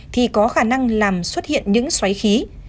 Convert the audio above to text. thì có khả năng làm xuất hiện những xoáy khí